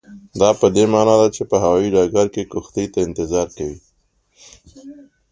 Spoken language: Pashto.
دا پدې معنا ده چې په هوایي ډګر کې کښتۍ ته انتظار کوئ.